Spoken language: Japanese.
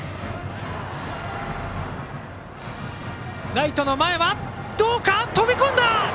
ライトの前、飛び込んだ！